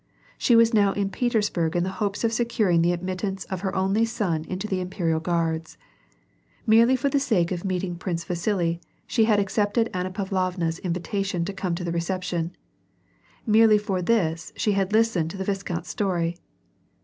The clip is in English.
She was now in Petersburg in the hopes of securing the admittance of her only son into the Imperial Guards. Merely for the sake of meeting Prince Vasili, she had accepted Anna Pavlovna's invitation and come to the reception ; merely for this she had listened to the vis count's story.